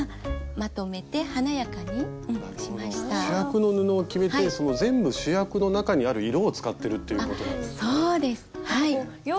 主役の布を決めて全部主役の中にある色を使ってるということなんですね。